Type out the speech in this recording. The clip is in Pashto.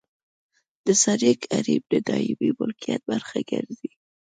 د سرک حریم د دایمي ملکیت برخه ګرځي